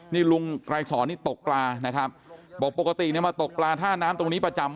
นี่ลุงไกรสอนนี่ตกปลานะครับบอกปกติเนี่ยมาตกปลาท่าน้ำตรงนี้ประจำ